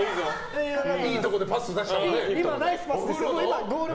いいところでパス出したぞ。